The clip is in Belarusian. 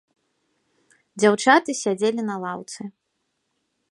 Дзяўчаты сядзелі на лаўцы.